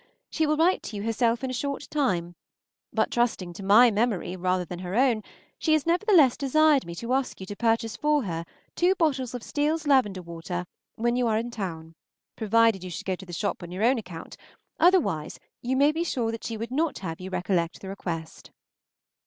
She will write to you herself in a short time; but trusting to my memory rather than her own, she has nevertheless desired me to ask you to purchase for her two bottles of Steele's lavender water when you are in town, provided you should go to the shop on your own account, otherwise you may be sure that she would not have you recollect the request.